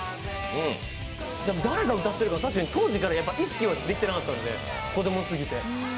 誰が歌っているか当時から意識はできてなかったんで、子供すぎて。